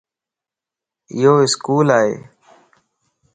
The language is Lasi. ايو اسڪول ائي